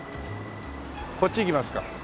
こっち行きますか。